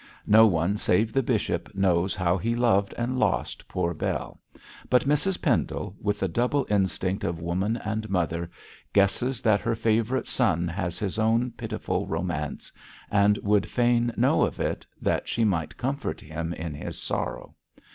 No one save the bishop knows how he loved and lost poor Bell; but Mrs Pendle, with the double instinct of woman and mother, guesses that her favourite son has his own pitiful romance, and would fain know of it, that she might comfort him in his sorrow.